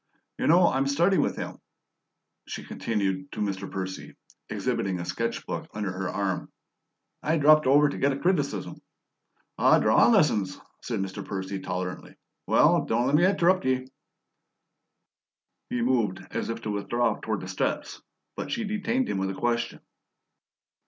"You know I'm studying with him," she continued to Mr. Percy, exhibiting a sketch book under her arm. "I dropped over to get a criticism." "Oh, drawin' lessons?" said Mr. Percy tolerantly. "Well, don' lemme interrup' ye." He moved as if to withdraw toward the steps, but she detained him with a question.